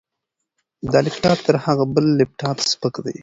دا لپټاپ تر هغه بل لپټاپ سپک دی.